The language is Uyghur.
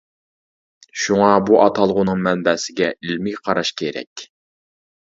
شۇڭا بۇ ئاتالغۇنىڭ مەنبەسىگە ئىلمىي قاراش كېرەك.